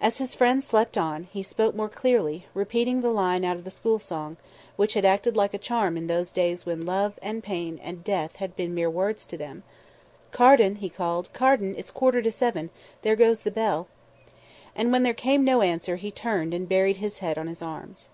As his friend slept on, he spoke more clearly, repeating the line out of the school song, which had acted like a charm in those days when love, and pain, and death had been mere words to them: "Carden," he called, "Carden, 'it's a quarter to seven, there goes the bell!'" And when there came no answer he turned and buried his head on his arms.